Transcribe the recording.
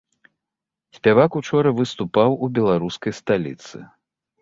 Спявак учора выступаў у беларускай сталіцы.